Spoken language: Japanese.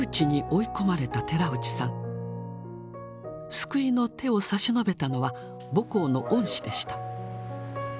救いの手を差し伸べたのは母校の恩師でした。